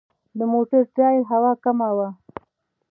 د موټر ټایر هوا کمه وه.